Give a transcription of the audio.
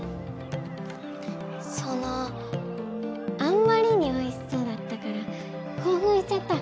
そのあんまりにおいしそうだったからこうふんしちゃった！